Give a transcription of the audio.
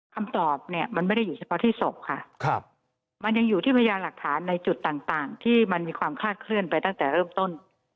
คำตอบเนี่ยมันไม่ได้อยู่เฉพาะที่ศพค่ะมันยังอยู่ที่พยานหลักฐานในจุดต่างที่มันมีความคาดเคลื่อนไปตั้งแต่เริ่มต้น